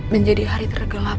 menjadi hari tergelap